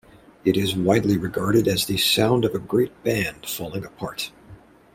It is widely regarded as the sound of a great band falling apart.